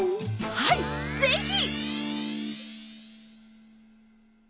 はいぜひ。